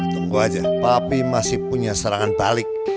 tunggu aja tapi masih punya serangan balik